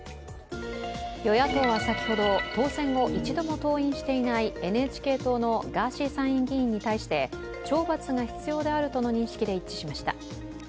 与野党は先ほど、当選後、一度も登院していないＮＨＫ党のガーシー参院議員に対して懲罰が必要であるとの認識で一致しました。